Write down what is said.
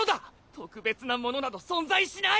特別なものなど存在しない！